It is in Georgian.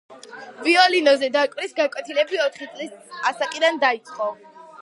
ვიოლინოზე დაკვრის გაკვეთილები ოთხი წლის ასაკიდან დაიწყო.